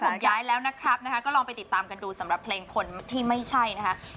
ผมย้ายแล้วนะครับก็ลองไปติดตามกันดูสำหรับเพลงคนที่ไม่ใช่นะคะ